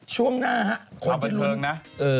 ช่วงหน้าฮะเอาเป็นเคริงนะ